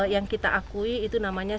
yang kita akui itu namanya